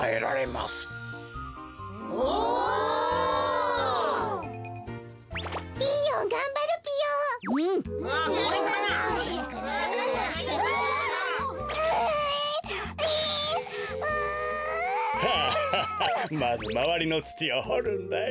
まずまわりのつちをほるんだよ。